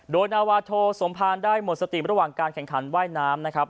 โดยนาวาโทสมภารได้หมดสติระหว่างการแข่งขันว่ายน้ำนะครับ